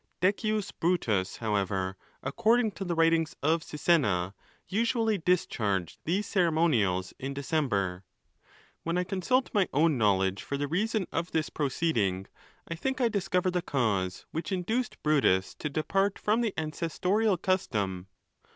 Decius Brutus, however, according to the writings of Sisenna, usually discharged these ceremo nials in December. When I consult my own knowledge for the reason of this proceeding, I think I discover the cause which induced Brutus to depart from the ancestorial custom.